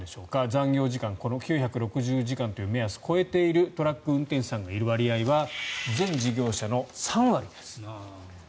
残業時間９６０時間という目安を超えているトラック運転手さんがいる割合は全事業者の３割です。